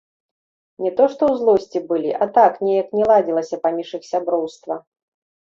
Не то што ў злосці былі, а так неяк не ладзілася паміж іх сяброўства.